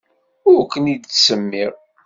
Ur ken-id-ttsemmiɣ.